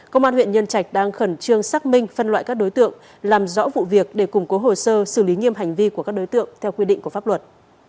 công an huyện nhân trạch đang khẩn trương xác minh phân loại các đối tượng làm rõ vụ việc để củng cố hồ sơ xử lý nghiêm hành vi của các đối tượng theo quy định của pháp luật